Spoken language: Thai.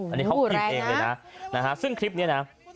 อันนี้เขาพิมพ์เองเลยนะนะฮะซึ่งคลิปนี้นะ